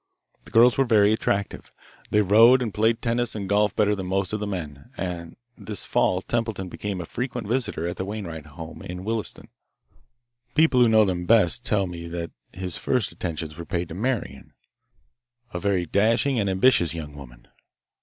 The girls were very attractive. They rode and played tennis and golf better than most of the men, and this fall Templeton became a frequent visitor at the Wainwright home in Williston. "People who know them best tell me that his first attentions were paid to Marian, a very dashing and ambitious young woman.